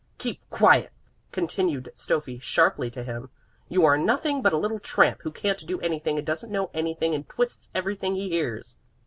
'" "Keep quiet!" continued Stöffi sharply to him. "You are nothing but a little tramp, who can't do anything and doesn't know anything and twists everything he hears."